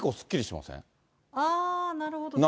あー、なるほど。